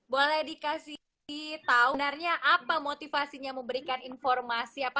boleh dikasih tau sebenarnya apa motivasinya memberikan informasi